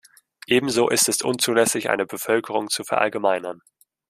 Ebenso ist es unzulässig, eine Bevölkerung zu verallgemeinern.